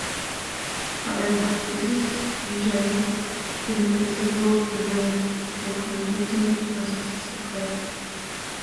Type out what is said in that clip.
However, this is usually infeasible given the computing resources required.